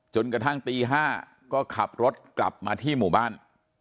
จนกระทั่งตี๕ก็ขับรถกลับมาที่หมู่บ้าน